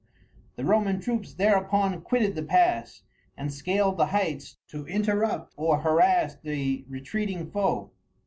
The Roman troops thereupon quitted the pass, and scaled the heights to interrupt or harass the retreating foe.